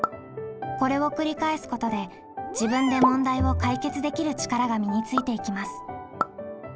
これを繰り返すことで自分で問題を解決できる力が身についていきます。